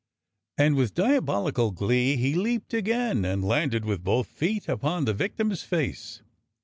And with diabolical glee he leaped again, and landed with both feet upon the victim's face.